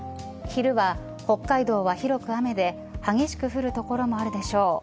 昼は北海道は広く雨で激しく降る所もあるでしょう。